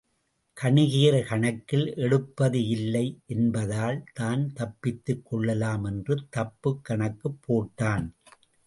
கணிகையர் கணக்கில் எடுப்பது இல்லை என்பதால் தான் தப்பித்துக் கொள்ளலாம் என்று தப்புக் கணக்குப் போட்டான்.